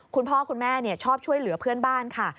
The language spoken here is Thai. คุณพ่อคุณแม่ชอบช่วยเหลือเพื่อนบ้านค่ะ